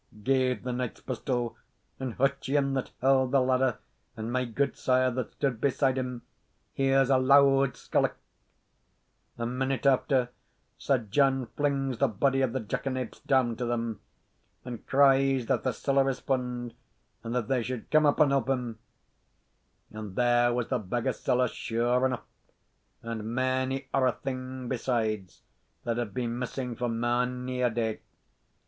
gaed the knight's pistol, and Hutcheon, that held the ladder, and my gudesire, that stood beside him, hears a loud skelloch. A minute after, Sir John flings the body of the jackanape down to them, and cries that the siller is fund, and that they should come up and help him. And there was the bag of siller sure aneaugh, and mony orra thing besides, that had been missing for mony a day.